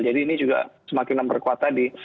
jadi ini juga semakin berkuat tadi